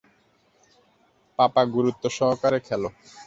পাপা গুরুত্ব সহকারে খেলো।